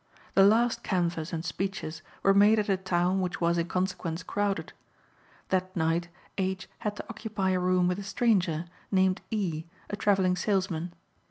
The last canvass and speeches were made at a town which was, in consequence, crowded. That night H. had to occupy a room with a stranger, named E., a travelling salesman.